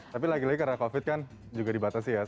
tapi lagi lagi karena covid kan juga dibatasi ya